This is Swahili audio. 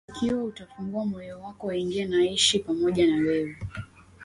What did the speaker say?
Ikiwa utafungua moyo wako aingie na aishi pamoja na wewe